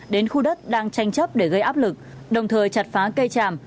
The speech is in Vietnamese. đến khu đất đang tranh chấp để gây áp lực đồng thời chặt phá cây tràm